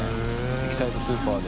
エキサイトスーパー」で。